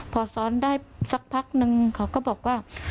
พอซ้อนได้สักพักนึงเขาก็บอกว่า